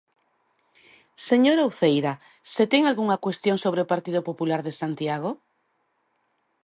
¿Señora Uceira, se ten algunha cuestión sobre o Partido Popular de Santiago?